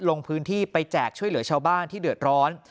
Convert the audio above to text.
ลงพื้นที่ไปแจกช่วยเหลือชาวบ้านที่เดือดร้อน